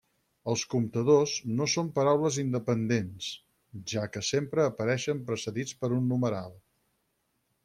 Els comptadors no són paraules independents, ja que sempre apareixen precedits per un numeral.